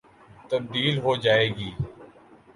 تبدیل ہو جائے گی۔